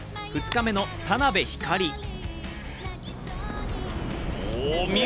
２日目の田辺ひかり。